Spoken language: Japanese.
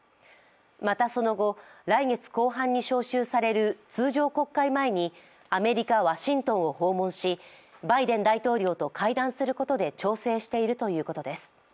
また、その後、来月後半に召集される通常国会前にアメリカ・ワシントンを訪問しバイデン大統領と会談することで調整しているということです。